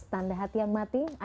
kalau anda masih berada di luar